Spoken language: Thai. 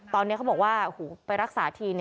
ตอนนี้เขาบอกว่าไปรักษาที